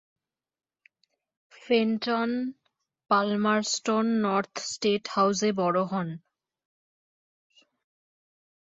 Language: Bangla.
ফেন্টন পালমারস্টোন নর্থ স্টেট হাউজে বড় হন।